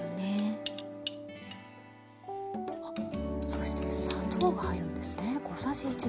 そして砂糖が入るんですね。